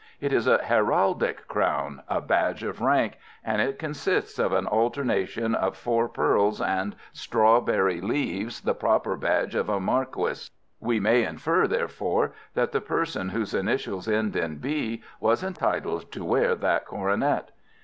It is a heraldic crown—a badge of rank, and it consists of an alternation of four pearls and strawberry leaves, the proper badge of a marquis. We may infer, therefore, that the person whose initials end in B was entitled to wear that coronet."